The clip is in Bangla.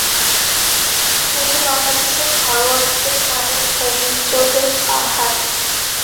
কিন্তু বাংলাদেশের ঘরোয়া ক্রিকেট মানেই তো অভিযোগের পাহাড়।